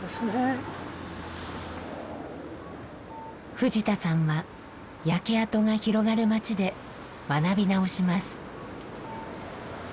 藤田さんは焼け跡が広がる街で学び直します。